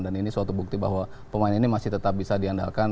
dan ini suatu bukti bahwa pemain ini masih tetap bisa diandalkan